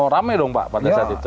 rame dong pak pada saat itu